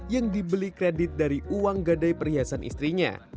yang dibeli kredit dari uang gadai perhiasan istrinya